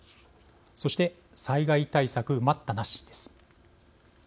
そして災害対策待ったなしです。